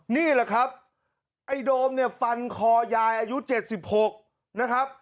นี่แหละครับไอ้โดมเนี่ยฟันคอยายอายุ๗๖นะครับ